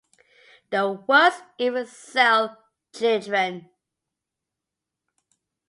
The worst even sell children.